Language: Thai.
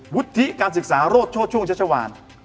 วุฒิการศึกษาโรธโชช่วงเชษฐวาล